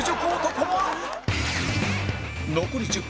残り１０分